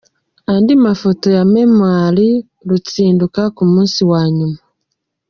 Andi mafoto ya Memorial Rutsindura ku munsi wa nyuma.